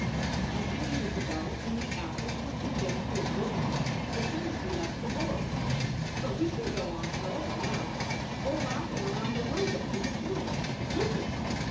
"A few years ago and we actors were condemned to oblivion as soon as we left the boards. But we can go on forever now. They re laughing around the world at me this minute. Listen!"